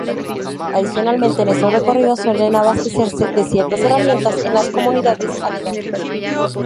Adicionalmente, en estos recorridos suelen abastecerse de ciertas herramientas en las comunidades aledañas.